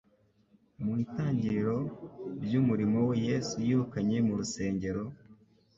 Mu itangiriro ry’umurimo we Yesu yirukanye mu rusengero